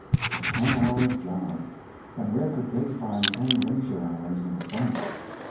A ten hours' job; and where could _they _find ten leisure hours in a bunch?